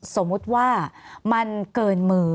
สมมุติว่ามันเกินมือ